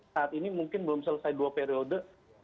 saat ini mungkin belum selesai dua periode